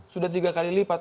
sudah tiga kali lipat